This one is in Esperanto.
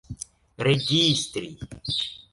registri